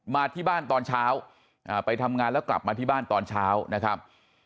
มาที่บ้านตอนเช้าไปทำงานแล้วกลับมาที่บ้านตอนเช้านะครับ